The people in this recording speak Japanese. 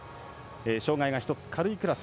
障がいが１つ軽いクラス。